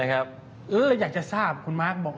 อยากจะทราบคุณมาร์คบอก